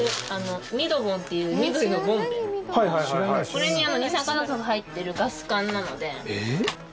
これに二酸化炭素が入ってるガス缶なので。